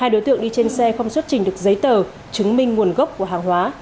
hai đối tượng đi trên xe không xuất trình được giấy tờ chứng minh nguồn gốc của hàng hóa